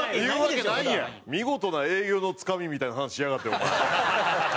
見事な営業のつかみみたいな話しやがってお前。